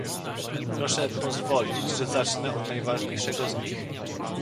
Proszę pozwolić, że zacznę od najważniejszego z nich